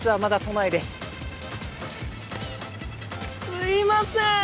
すいません！